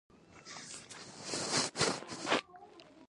لومړی: په هوټلونو او رستورانتونو کې کوم ساتندویه ټکي په پام کې ونیول شي؟